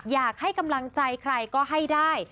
อยากให้กำลังใจใครก็ให้ได้